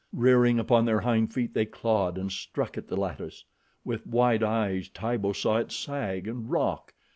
Rearing upon their hind feet they clawed and struck at the lattice. With wide eyes Tibo saw it sag and rock.